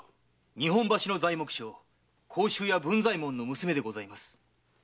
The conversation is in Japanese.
日本橋の材木商甲州屋文左衛門の娘です。